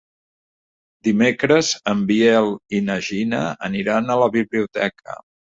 Dimecres en Biel i na Gina aniran a la biblioteca.